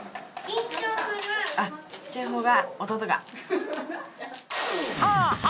あっちっちゃいほうが弟か。